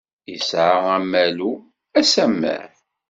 Isɛa amalu, asammer.